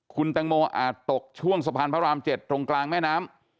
คุณแตงโมอาจตกช่วงสะพานพระราม๗ตรงกลางแม่น้ำ